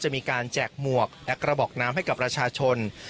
จะมีการแจกหมวกและกระบอกน้ำให้กับประชาชน